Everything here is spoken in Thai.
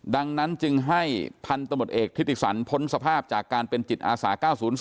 ดังนั้นจึงให้พันธมตเอกทิติสันพ้นสภาพจากการเป็นจิตอาสา๙๐๔